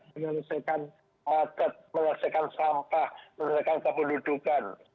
menyelesaikan macet menyelesaikan sampah menyelesaikan kependudukan